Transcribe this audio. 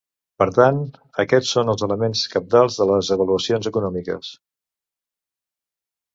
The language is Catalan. Per tant, aquests són els elements cabdals de les avaluacions econòmiques.